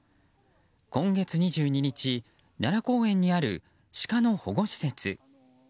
今月２２日、奈良公園にあるシカの保護施設。